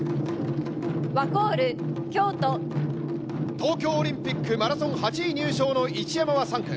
東京オリンピックマラソン８位入賞の一山は３区。